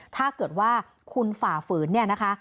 ถ้าเกิดว่าคุณฝ่าฝืนเนี่ยนะคะ